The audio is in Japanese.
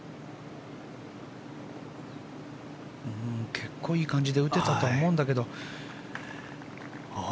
結構いい感じで打てたと思うんだけど。